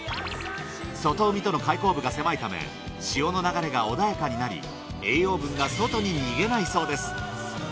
外海との開口部が狭いため潮の流れが穏やかになり栄養分が外に逃げないそうです。